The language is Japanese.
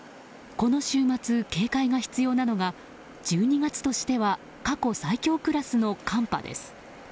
この週末、警戒が必要なのが１２月としては過去最強クラスの寒波です。